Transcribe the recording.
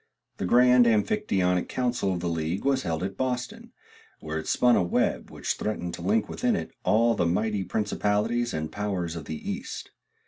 The grand Amphictyonic council of the league was held at Boston, where it spun a web which threatened to link within it all the mighty principalities and powers of the east.